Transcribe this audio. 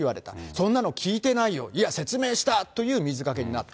そんなの聞いてないよ、いや、説明したという水かけになった。